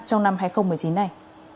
trong năm hai nghìn một mươi chín này